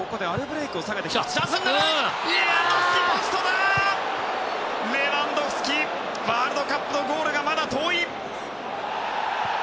レバンドフスキワールドカップのゴールがまだ遠い。